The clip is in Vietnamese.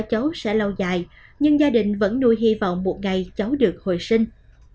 cháu sẽ lâu dài nhưng gia đình vẫn nuôi hy vọng một ngày cháu được hồi sinh